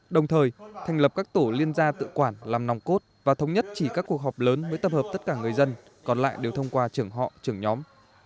đồng thời thành lập các tổ liên gia tự quản làm nòng cốt và thống nhất chỉ các cuộc họp lớn mới tập hợp tất cả người dân còn lại đều thông qua trưởng họ trưởng nhóm